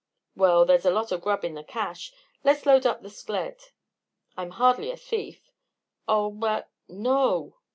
"Well, there's a lot of grub in the cache. Let's load up the sled." "I'm hardly a thief." "Oh, but " "No!"